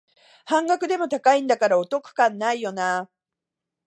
半額でも高いんだからお得感ないよなあ